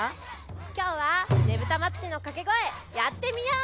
きょうはねぶたまつりのかけごえやってみよう！